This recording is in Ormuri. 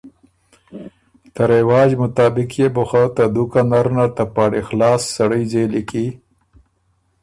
ته رواج مطابق يې بو خه ته دُوکه نر نر ته پاړی خلاص سړئ ځېلي کی